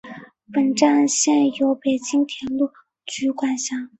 本站现由北京铁路局管辖。